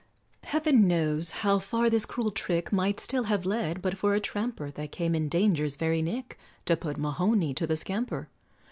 Heaven knows how far this cruel trick Might still have led, but for a tramper That came in danger's very nick, To put Mahoney to the scamper.